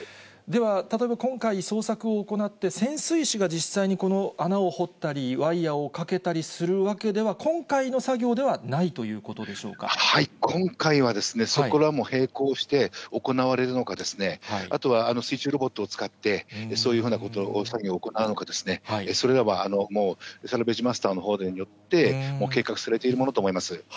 では、例えば今回、捜索を行って、潜水士が実際にこの穴を掘ったり、ワイヤーをかけたりするわけでは、今回の作業ではないということではい、今回はそこらも並行して、行われるのかですね、あとは水中ロボットを使って、そういうふうなことを、作業を行うのか、それらはもう、サルベージマスターのほうで、計画されているものと思います。